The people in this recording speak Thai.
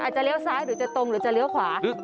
จะเลี้ยวซ้ายหรือจะตรงหรือจะเลี้ยวขวา